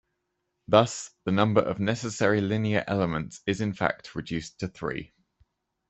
Thus the number of necessary linear elements is in fact reduced to three.